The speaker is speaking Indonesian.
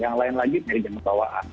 yang lain lagi dari jaman kebawaan